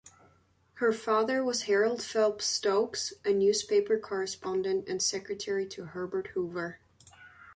Her father was Harold Phelps Stokes, a newspaper correspondent and secretary to Herbert Hoover.